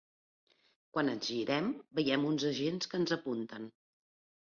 Quan ens girem, veiem uns agents que ens apunten.